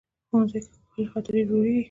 ښوونځی کې ښکلي خاطرې جوړېږي